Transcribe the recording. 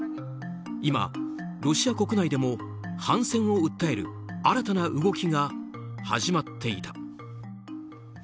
今、ロシア国内でも反戦を訴える新たな動きが始まっていた。